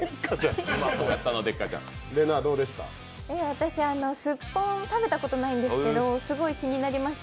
私、すっぽん食べたことないんですけどすごい気になりました、